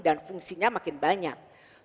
dan fungsinya makin banyak